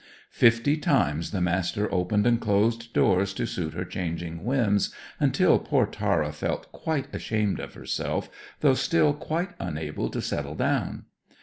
Fifty times the Master opened and closed doors to suit her changing whims, until poor Tara felt quite ashamed of herself, though still quite unable to settle down.